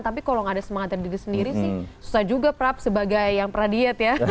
tapi kalau nggak ada semangat dari diri sendiri sih susah juga prap sebagai yang pradiet ya